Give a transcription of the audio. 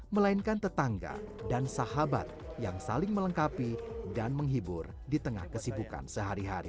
melainkan tetangga dan sahabat yang saling melengkapi dan menghibur di tengah kesibukan sehari hari